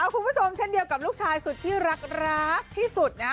คุณผู้ชมเช่นเดียวกับลูกชายสุดที่รักที่สุดนะฮะ